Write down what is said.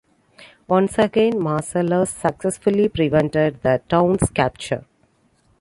Once again, Marcellus successfully prevented the town's capture.